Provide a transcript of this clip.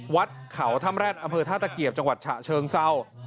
วัดเขาธรรมรสอำเภอถ้าตะเกียบจังหวัดเชิงเศร้า